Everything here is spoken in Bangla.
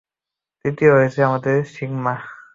তৃতীয় হয়েছে আমাদের সিম্বা!